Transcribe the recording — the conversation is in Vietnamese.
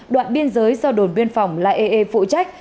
đoạn biên giới do đồn biên phòng lae phụ trách